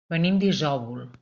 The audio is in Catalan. Venim d'Isòvol.